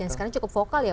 dan sekarang cukup vokal ya